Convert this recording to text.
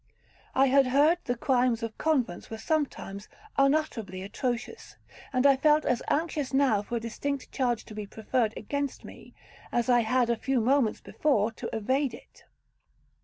I had heard the crimes of convents were sometimes unutterably atrocious; and I felt as anxious now for a distinct charge to be preferred against me, as I had a few moments before to evade it.